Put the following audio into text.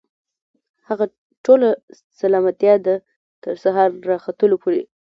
هغه ټوله سلامتيا ده، تر سهار راختلو پوري